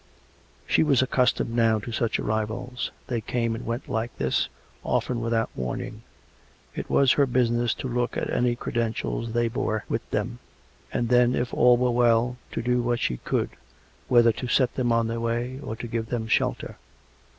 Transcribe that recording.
She was accustomed now to such arrivals. They came and went like this, often without warning; it was her busi ness to look at any credentials they bore with them, and then, if all were well, to do what she could — whether to set them on their way, or to give them shelter.